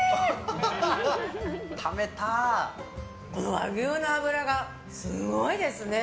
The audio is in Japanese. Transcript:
和牛の脂がすごいですね。